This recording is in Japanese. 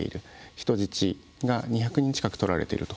人質が２００人近くとられていると。